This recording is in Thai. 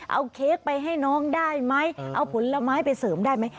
เอาเค้กไปให้น้องได้ไหมเอาผลไม้ไปเสริมได้ไหม